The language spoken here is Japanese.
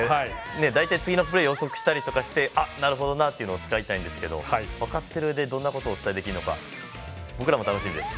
大体、次のプレーを予測したりとかしてあ、なるほどなとか伝えたいんですけど分かってるうえでどんなことをお伝えできるのか僕らも楽しみです。